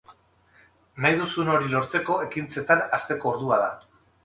Nahi duzun hori lortzeko ekintzetan hasteko ordua da.